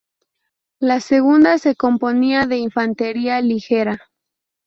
La segunda se componía de infantería ligera.